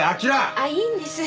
ああいいんです。